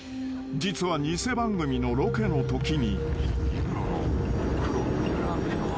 ［実は偽番組のロケのときに］